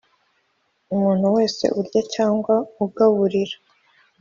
Umuntu wese urya cyangwa ugaburira.